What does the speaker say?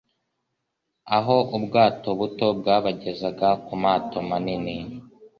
aho ubwato buto bwabagezaga ku mato manini.